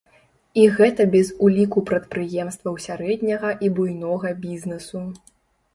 І гэта без уліку прадпрыемстваў сярэдняга і буйнога бізнэсу.